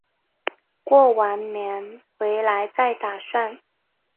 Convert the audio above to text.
过完年回来再打算